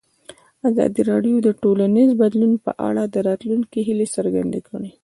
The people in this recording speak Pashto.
ازادي راډیو د ټولنیز بدلون په اړه د راتلونکي هیلې څرګندې کړې.